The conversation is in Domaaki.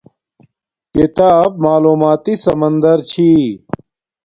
کتاب معلوماتی سمندر چھی